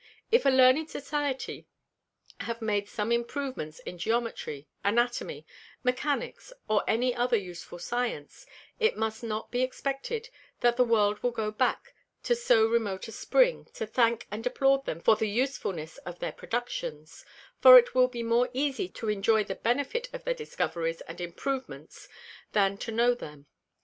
If a Learned Society have made some Improvements in Geometry, Anatomy, Mechanicks, or any other useful Science, it must not be expected, that the World will go back to so remote a Spring to thank and applaud them for the Usefulness of their Productions: For it will be more easie to enjoy the Benefit of their Discoveries and Improvements than to know them.